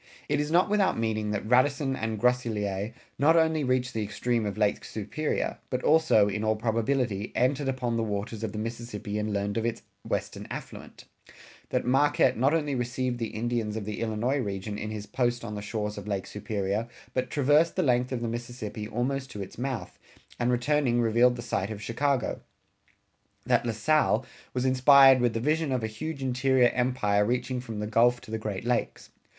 It is not without meaning that Radisson and Groseilliers not only reached the extreme of Lake Superior but also, in all probability, entered upon the waters of the Mississippi and learned of its western affluent; that Marquette not only received the Indians of the Illinois region in his post on the shores of Lake Superior, but traversed the length of the Mississippi almost to its mouth, and returning revealed the site of Chicago; that La Salle was inspired with the vision of a huge interior empire reaching from the Gulf to the Great Lakes.